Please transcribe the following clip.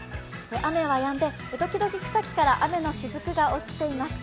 雨はやんで、時々枝先から雨のしずくが落ちています。